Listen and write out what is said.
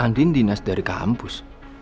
andien dinas dari kampus